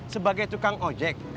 sebagai tukang ojek